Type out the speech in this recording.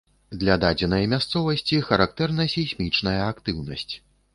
Для дадзенай мясцовасці характэрна сейсмічная актыўнасць.